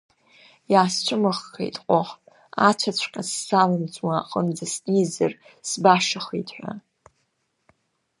Иаасцәымыӷхеит, ҟох, ацәаҵәҟьа сзалымҵуа аҟынӡа снеизар сбашахеит ҳәа.